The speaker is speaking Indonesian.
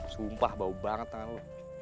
sumpah bau banget tangan lu